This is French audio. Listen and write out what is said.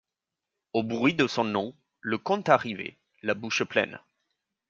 Au bruit de son nom, le comte arrivait, la bouche pleine.